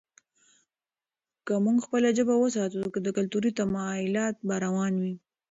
که موږ خپله ژبه وساتو، نو کلتوري تمایلات به روان وي.